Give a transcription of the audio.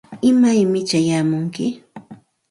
¿imaymi chayamunki?